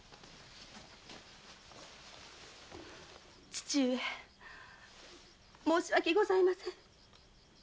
父上申し訳ございません。